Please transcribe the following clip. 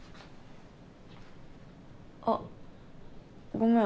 あっごめん。